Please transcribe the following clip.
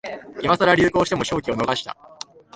今さら流行しても商機を逃した